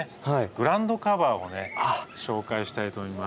グラウンドカバーをね紹介したいと思います。